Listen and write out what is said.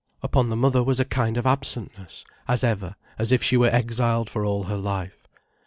Upon the mother was a kind of absentness, as ever, as if she were exiled for all her life.